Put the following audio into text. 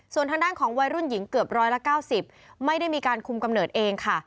ส่วนทางด้านของวัยรุ่นหญิงเกือบร้อยละ๙๐ไม่ได้มีการคุมกำเนิดเองค่ะ